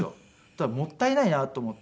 ただもったいないなと思って。